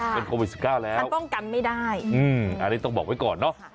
เป็นโควิด๑๙แล้วมันป้องกันไม่ได้อันนี้ต้องบอกไว้ก่อนเนอะ